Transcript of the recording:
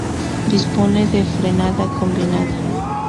Dispone de frenada combinada.